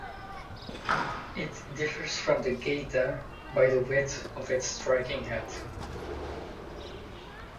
It differs from the Gata by the width of its striking head.